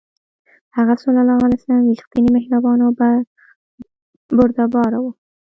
هغه ﷺ رښتینی، مهربان او بردباره و.